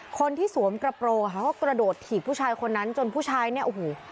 คนที่สวมกระโปรงเขาก็กระโดดถีบผู้ชายคนนั้นจนผู้ชายเนี่ยโอ้โห